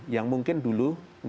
yang mungkin dulu